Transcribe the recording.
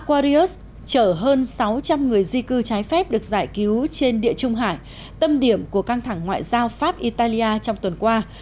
tàu karius chở hơn sáu trăm linh người di cư trái phép được giải cứu trên địa trung hải tâm điểm của căng thẳng ngoại giao pháp italia trong tuần qua